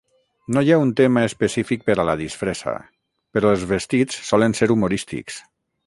No hi ha un "tema" específic per a la disfressa, però els vestits solen ser humorístics.